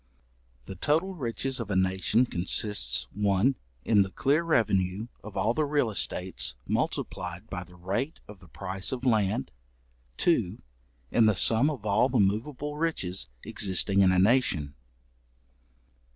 The total Riches of a nation consists, 1. in the clear revenue of all the real estates, multiplied by the rate of the price of land. 2. in the sum of all the moveable riches existing in a nation.